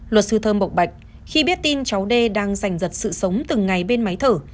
luật sư thơm bộc bạch khi biết tin cháu đê đang giành giật sự sống từng ngày bên máy thở